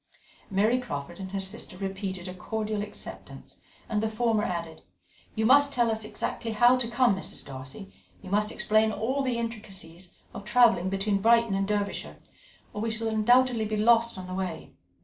Mary Crawford and her sister repeated a cordial acceptance, and the former added: "You must tell us exactly how to come, Mrs. Darcy, you must explain all the intricacies of travelling between Brighton and Derbyshire, or we shall undoubtedly be lost on the road."